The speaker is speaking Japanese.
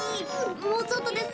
もうちょっとです。